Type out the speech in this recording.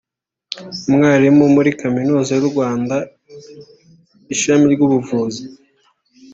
Umwarimu muri Kaminuza y’u Rwanda ishami ry’ubuvuzi